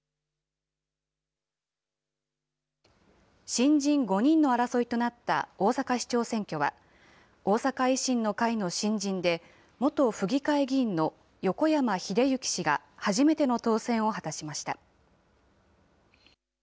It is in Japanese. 新人５人の争いとなった大阪市長選挙は、大阪維新の会の新人で元府議会議員の横山英幸氏が初めての当選を果たしました。